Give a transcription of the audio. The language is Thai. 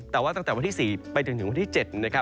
แต่ว่าตั้งแต่วันที่๔ไปจนถึงวันที่๗นะครับ